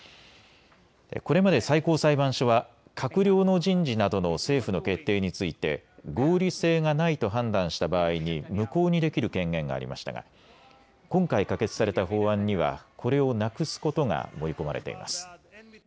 これまで最高裁判所は閣僚の人事などの政府の決定について合理性がないと判断した場合に無効にできる権限がありましたが今回可決された法案にはこれをなくすことが盛り込まれています。